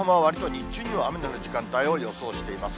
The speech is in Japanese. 日中には雨の降る時間帯を予想しています。